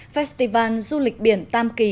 festival du lịch biển tam kỳ